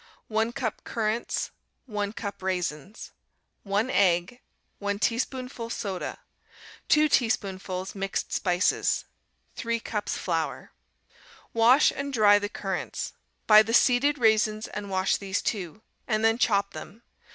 1 cup currants. 1 cup raisins. 1 egg. 1 teaspoonful soda. 2 teaspoonfuls mixed spices. 3 cups flour. Wash and dry the currants. Buy the seeded raisins and wash these, too, and then chop them.